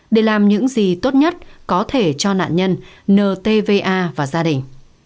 để làm những gì tốt nhất có thể cho nạn nhân nờ tva và gia đình